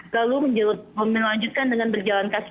lalu melanjutkan dengan berjalan kaki